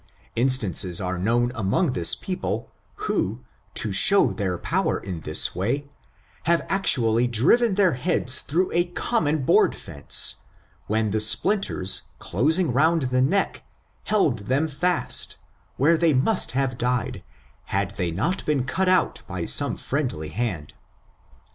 Instances are known among this people who, to show their power in this way, have actually driven their heads through a common board fencey when the splinters, closing round the neck, held them fast, where they must have died, had they not been cut out by some friendly hand.